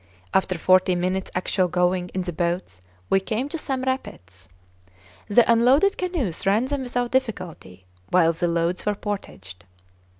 After forty minutes' actual going in the boats we came to some rapids; the unloaded canoes ran them without difficulty, while the loads were portaged.